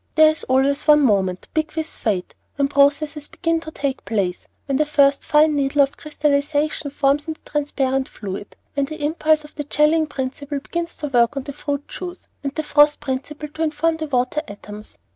There is always one moment, big with fate, when processes begin to take place; when the first fine needle of crystallization forms in the transparent fluid; when the impulse of the jellying principle begins to work on the fruit juice, and the frost principle to inform the water atoms.